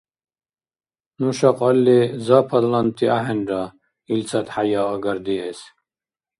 Нуша кьалли западланти ахӀенра, илцад хӀяяагардиэс!